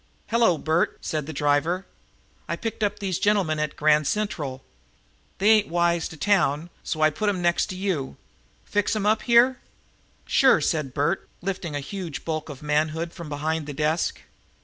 "Hello, Bert," said their driver. "I picked up these gentlemen at Grand Central. They ain't wise to the town, so I put 'em next to you. Fix 'em up here?" "Sure," said Bert, lifting a huge bulk of manhood from behind the desk.